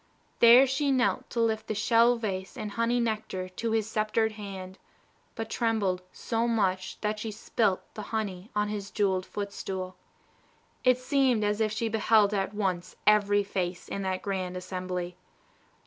There she knelt to lift the shell vase and honey nectar to his sceptered hand, but trembled so much that she spilt the honey on his jewelled footstool. It seemed as if she beheld at once every face in that grand assembly.